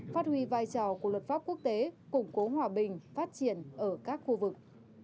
phát huy vai trò của luật pháp quốc tế củng cố hòa bình phát triển ở các khu vực